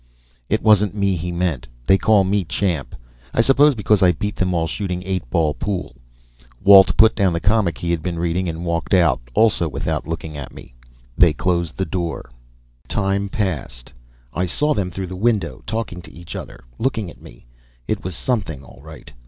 It wasn't me he meant they call me "Champ," I suppose because I beat them all shooting eight ball pool. Walt put down the comic he had been reading and walked out, also without looking at me. They closed the door. Time passed. I saw them through the window, talking to each other, looking at me. It was something, all right.